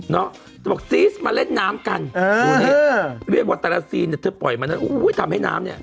เธอบอกซีสมาเล่นน้ำกันดูนี่เรียกว่าแต่ละซีนเนี่ยเธอปล่อยมานั้นอุ้ยทำให้น้ำเนี่ย